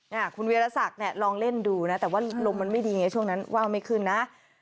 เนี่ยคุณวีรศักดิ์เนี่ยลองเล่นดูนะแต่ว่าลมมันไม่ดีไงช่วงนั้นว่าวไม่ขึ้นนะ